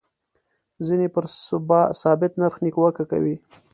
ځینې پر ثابت نرخ نیوکه کوي.